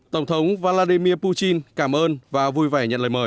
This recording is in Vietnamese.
tổng thống vladimir putin cảm ơn và vui vẻ nhận lời mời